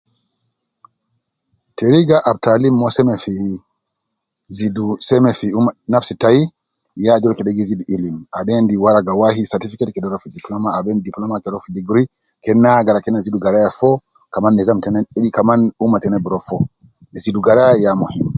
Teriga ab taalim wasa ina fi zidu seme fi umma nafsi tai ya azol kede gi zidu ilim, al endi waraga wahi certificate kede ruwa fi diploma, al endi diploma ke rua fi degree ,kena agara kena zidu garaya fi kaman nizam tena kaman umma tena bi ruwa fo, zidu garaya ya muhim.